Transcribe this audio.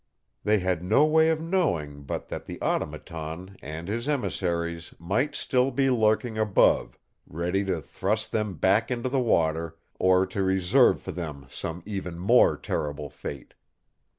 They had no way of knowing but that the Automaton and his emissaries might still be lurking above, ready to thrust them back into the water or to reserve for them some even more terrible fate.